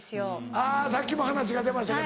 あぁさっきも話が出ましたけど。